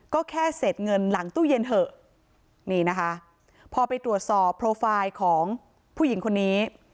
ก็แค่เสร็จเงินหลังตู้เย็นเถอะนี่นะคะพอไปตรวจสอบโปรไฟล์ของผู้หญิงคนนี้